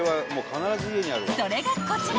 ［それがこちら］